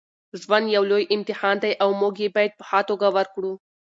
ژوند یو لوی امتحان دی او موږ یې باید په ښه توګه ورکړو.